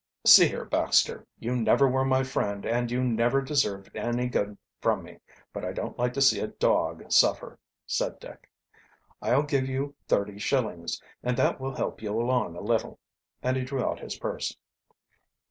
"See here, Baxter, you never were my friend, and you never deserved any good from me, but I don't like to see a dog suffer," said Dick. "I'll give you thirty shillings, and that will help you along a little," and he drew out his purse.